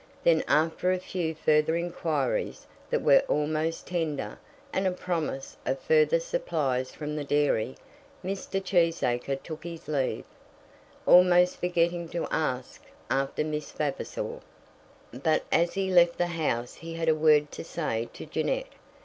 Then after a few further inquiries that were almost tender, and a promise of further supplies from the dairy, Mr. Cheesacre took his leave, almost forgetting to ask after Miss Vavasor. But as he left the house he had a word to say to Jeannette.